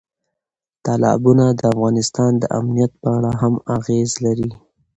تالابونه د افغانستان د امنیت په اړه هم اغېز لري.